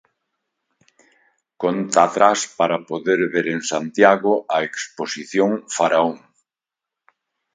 Conta atrás para poder ver en Santiago a exposición Faraón.